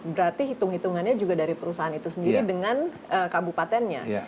berarti hitung hitungannya juga dari perusahaan itu sendiri dengan kabupatennya